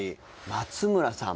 松村さん。